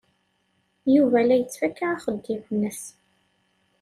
Yuba la yettfaka axeddim-nnes.